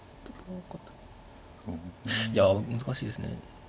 いや難しいですね。